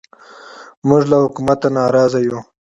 موږ له حکومته نارازه یو